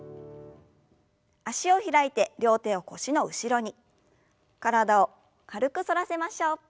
脚を開いて両手を腰の後ろに体を軽く反らせましょう。